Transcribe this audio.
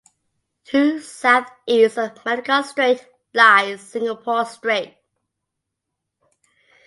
To southeast of Malacca Strait lies Singapore Strait.